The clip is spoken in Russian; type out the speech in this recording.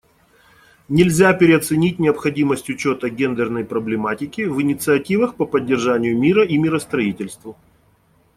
Нельзя переоценить необходимость учета гендерной проблематики в инициативах по поддержанию мира и миростроительству.